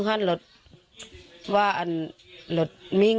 อันนี้